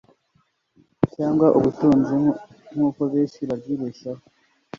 cyangwa ubutunzi nkuko benshi babyibeshyaho